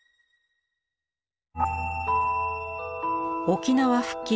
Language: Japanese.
沖縄復帰